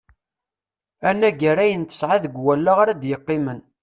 Anagar ayen tesɛa deg wallaɣ ara d-yeqqimen.